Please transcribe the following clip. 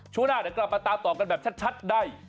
ช่วงหน้าเดี๋ยวกลับมาตามต่อกันแบบชัดได้